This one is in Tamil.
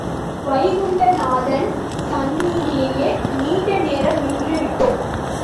வைகுண்ட நாதன் சந்நிதியிலேயே நீண்டநேரம் நின்றுவிட்டோம்.